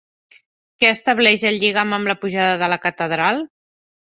Què estableix el lligam amb la Pujada de la Catedral?